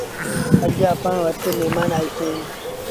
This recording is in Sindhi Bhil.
اڄ اَپآن وٽ مهمآݩ آئيٚسي۔